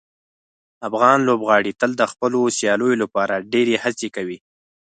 افغان لوبغاړي تل د خپلو سیالیو لپاره ډیرې هڅې کوي.